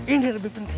ini lebih penting